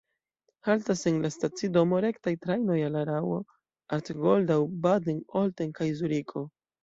Haltas en la stacidomo rektaj trajnoj al Araŭo, Arth-Goldau, Baden, Olten kaj Zuriko.